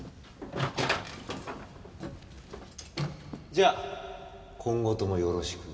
じゃ今後ともよろしく。